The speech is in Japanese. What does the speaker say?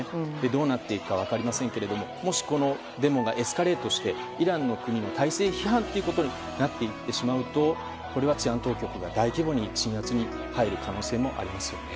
どうなっていくか分かりませんがもしこのデモがエスカレートしイランの国の体制批判になっていってしまうとこれは治安当局が大規模に鎮圧に入る可能性もありますね。